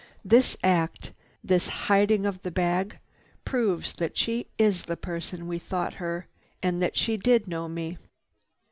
This act, this hiding of the bag proves that she is the person we thought her and that she did know me.